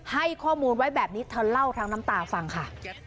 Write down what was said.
ให้ข้อมูลไว้แบบนี้เธอเล่าทั้งน้ำตาฟังค่ะ